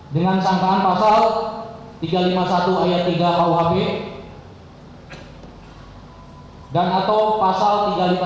dengan sangkaan pasal tiga ratus lima puluh satu ayat tiga kuhp dan atau pasal tiga ratus lima puluh